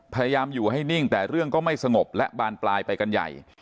พยายามอยู่ให้นิ่งแต่เรื่องก็ไม่สงบและบานปลายไปกันใหญ่